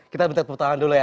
kita minta tepuk tangan dulu ya